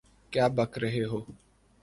کیا بک رہے ہو؟